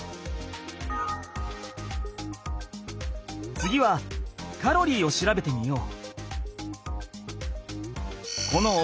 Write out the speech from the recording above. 次はカロリーを調べてみよう。